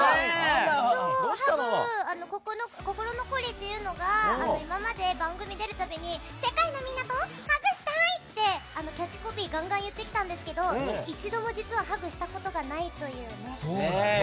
ハグ、心残りが今まで番組に出るたびに世界のみんなとハグしたい！ってキャッチコピーガンガン言ってきたんですけど一度も実はハグしたことがないというね。